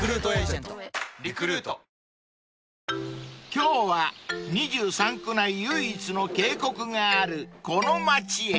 ［今日は２３区内唯一の渓谷があるこの町へ］